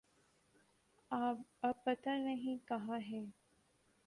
اب پتہ نہیں کہاں ہیں۔